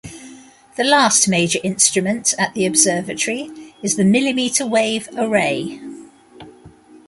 The last major instrument at the observatory is the millimeter-wave array.